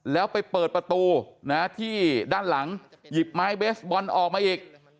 แล้วไปเปิดประตูที่ด้านหลังหยิบไม้เบสบอลออกมาอีก